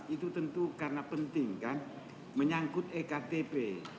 itu tentu karena penting kan menyangkut ektp